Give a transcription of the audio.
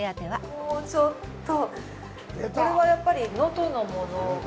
もう、ちょっとこれはやっぱり能登のものが？